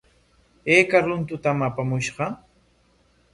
¿Ayka runtutam apamushqa?